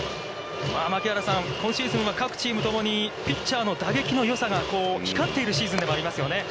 槙原さん、今シーズンは、各チームともにピッチャーの打撃のよさが光っているシーズンでもありますね。